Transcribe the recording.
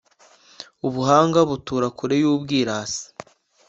Ubuhanga butura kure y’ubwirasi,